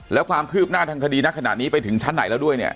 แล้วความคืบหน้าทางคดีณขณะนี้ไปถึงชั้นไหนแล้วด้วยเนี่ย